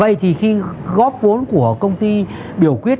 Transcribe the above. vậy thì khi góp vốn của công ty biểu quyết